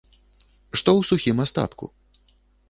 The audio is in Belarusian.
Што ў сухім астатку?